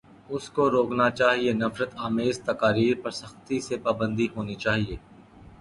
اس کو روکنا چاہیے، نفرت آمیز تقاریر پر سختی سے پابندی ہونی چاہیے۔